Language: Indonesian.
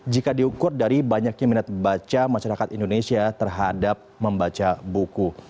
jika diukur dari banyaknya minat baca masyarakat indonesia terhadap membaca buku